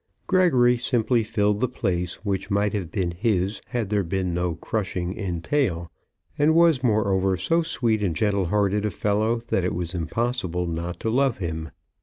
Gregory simply filled the place which might have been his had there been no crushing entail, and was, moreover, so sweet and gentle hearted a fellow that it was impossible not to love him.